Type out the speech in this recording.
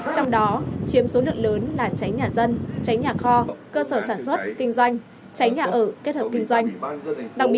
trong đó chiếm số lượng lớn là cháy nhà dân tránh nhà kho cơ sở sản xuất kinh doanh tránh nhà ở kết hợp kinh doanh